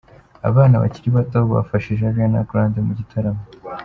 Abana bakiri bato bafashije Ariana Grande mu gitaramo.